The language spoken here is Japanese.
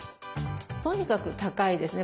とにかく高いですね。